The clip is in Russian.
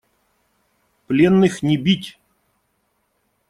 Пленных не бить!